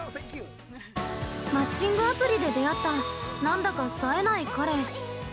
◆マッチングアプリで出会ったなんだか、さえない彼。